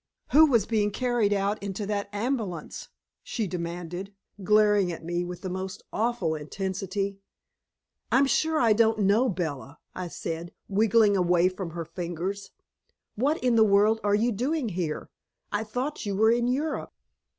"Who was being carried out into that ambulance?" she demanded, glaring at me with the most awful intensity. "I'm sure I don't know, Bella," I said, wriggling away from her fingers. "What in the world are you doing here? I thought you were in Europe."